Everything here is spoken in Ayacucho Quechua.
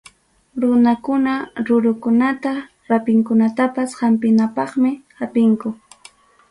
Runakunaqa rurukunata, rapinkunatapas hampinapaqmi hapinku.